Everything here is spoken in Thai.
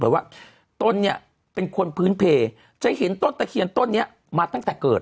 ว่าตนเนี่ยเป็นคนพื้นเพลจะเห็นต้นตะเคียนต้นนี้มาตั้งแต่เกิด